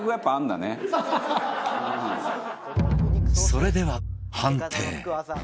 それでは判定